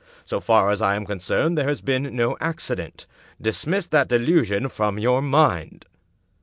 So far as I am concerned there has been no accident. Dismiss that delusion from your mind."